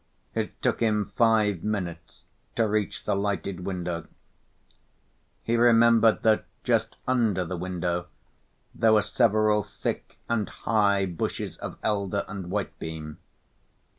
It took him five minutes to reach the lighted window. He remembered that just under the window there were several thick and high bushes of elder and whitebeam.